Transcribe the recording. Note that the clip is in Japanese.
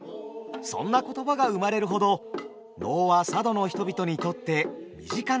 そんな言葉が生まれるほど能は佐渡の人々にとって身近なものでした。